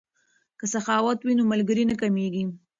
که سخاوت وي نو ملګری نه کمیږي.